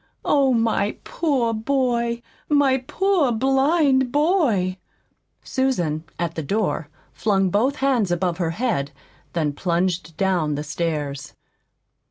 Oh, my poor boy, my poor blind boy!" Susan, at the door, flung both hands above her head, then plunged down the stairs.